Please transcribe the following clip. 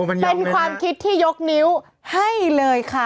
เป็นความคิดที่ยกนิ้วให้เลยค่ะ